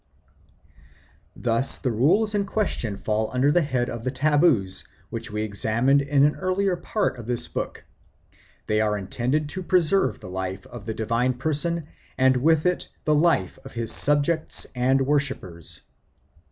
Thus the rules in question fall under the head of the taboos which we examined in an earlier part of this book; they are intended to preserve the life of the divine person and with it the life of his subjects and worshippers.